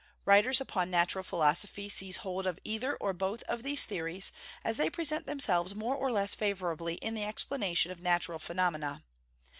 Writers upon natural philosophy seize hold of either or both of those theories, as they present themselves more or less favourably in the explanation of natural phenomena.